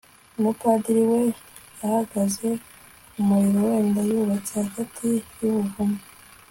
umupadiri we yahagaze kumuriro wera yubatse hagati yubuvumo